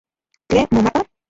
¿Tlen momapa?